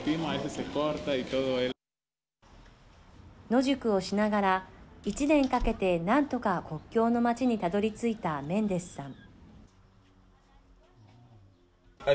野宿をしながら１年かけて、何とか国境の町にたどり着いたメンデスさん。